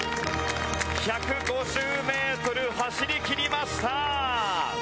１５０メートル走りきりました。